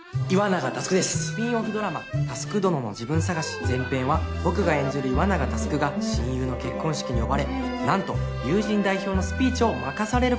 スピンオフドラマ『佑どののジブン探し』前編は僕が演じる岩永佑が親友の結婚式に呼ばれなんと友人代表のスピーチを任される事に！